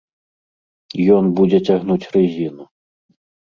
Ён будзе цягнуць рызіну.